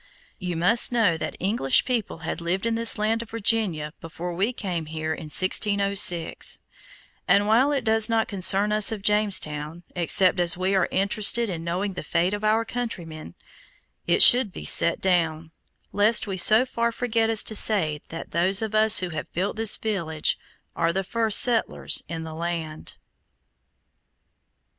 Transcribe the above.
You must know that English people had lived in this land of Virginia before we came here in 1606, and while it does not concern us of Jamestown, except as we are interested in knowing the fate of our countrymen, it should be set down, lest we so far forget as to say that those of us who have built this village are the first settlers in the land.